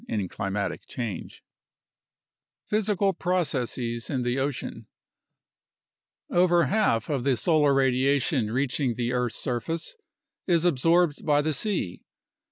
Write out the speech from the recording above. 26 UNDERSTANDING CLIMATIC CHANGE Physical Processes in the Ocean Over half of the solar radiation reaching the earth's surface is absorbed by the sea.